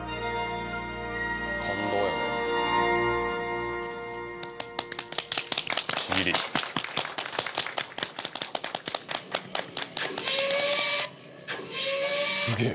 感動やなすげえ！